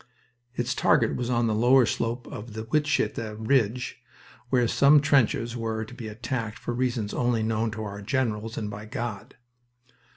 Its target was on the lower slope of the Wytschaete Ridge, where some trenches were to be attacked for reasons only known by our generals and by God.